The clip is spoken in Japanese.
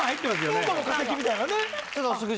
うんこの化石みたいなね。